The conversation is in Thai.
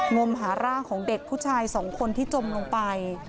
งมหาร่างของเด็กผู้ชายสองคนที่จมลงไป